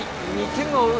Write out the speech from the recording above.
２点を追う